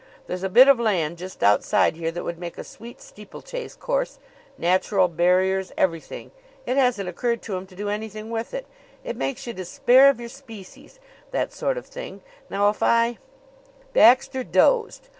There's a bit of land just outside here that would make a sweet steeplechase course; natural barriers; everything. It hasn't occurred to 'em to do anything with it. It makes you despair of your species that sort of thing. Now if I " Baxter dozed.